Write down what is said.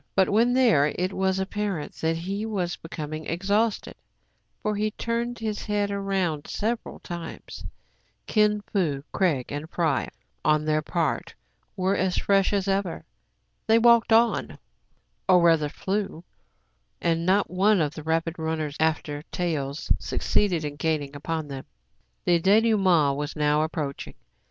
But, when there, it was apparent that he was becoming exhausted; for he turned his head round several times. Kin Fo, Craig, and Fry, on their part, were as fresh as ever. They walked on, or rather flew; and not one of the rapid runners after taels succeeded in gaining upon them. The dénoûme7it was now approaching.